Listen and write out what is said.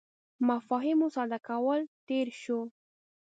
مفاهیمو ساده کولو تېر شو.